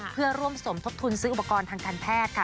เพื่อร่วมสมทบทุนซื้ออุปกรณ์ทางการแพทย์ค่ะ